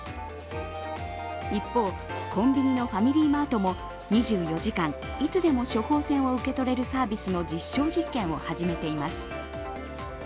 一方、コンビニのファミリーマートも２４時間、いつでも処方箋を受け取れるサービスの実証実験を始めています。